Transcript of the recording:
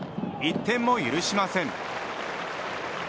１点も許しません。